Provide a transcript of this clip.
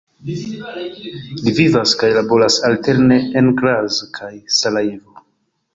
Li vivas kaj laboras alterne en Graz kaj Sarajevo.